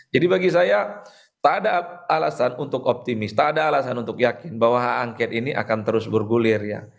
jadi bagi saya tak ada alasan untuk optimis tak ada alasan untuk yakin bahwa hak angket ini akan terus bergulir